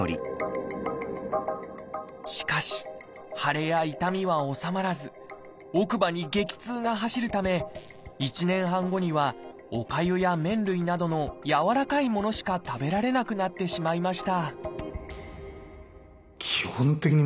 しかし腫れや痛みは治まらず奥歯に激痛が走るため１年半後にはおかゆや麺類などのやわらかいものしか食べられなくなってしまいました